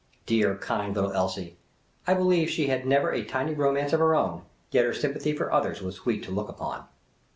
Dear, kind little Elsie ! I believe she had never a tiny romance of her own ; yet her sympathy for others was sweet to look upon.